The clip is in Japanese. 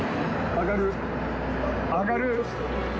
上がる？